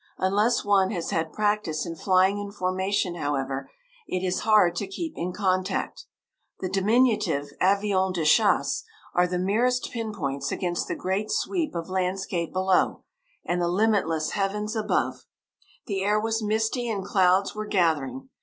Unless one has had practice in flying in formation, however, it is hard to keep in contact. The diminutive avions de chasse are the merest pinpoints against the great sweep of landscape below and the limitless heavens above. The air was misty and clouds were gathering.